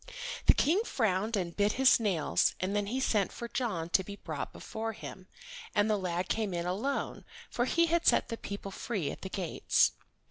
The King frowned and bit his nails, and then he sent for John to be brought before him, and the lad came in alone, for he had set the people free at the gates.